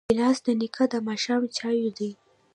ګیلاس د نیکه د ماښام چایو دی.